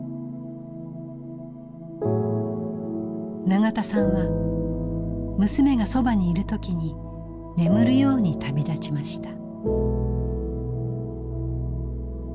永田さんは娘がそばにいる時に眠るように旅立ちました。